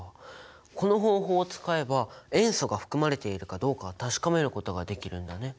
この方法を使えば塩素が含まれているかどうか確かめることができるんだね。